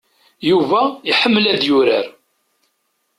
Yuba iḥemmel ad yurar.